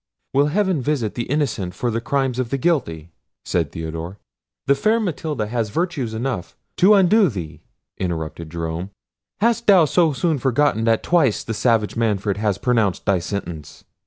"Will heaven visit the innocent for the crimes of the guilty?" said Theodore. "The fair Matilda has virtues enough—" "To undo thee:" interrupted Jerome. "Hast thou so soon forgotten that twice the savage Manfred has pronounced thy sentence?"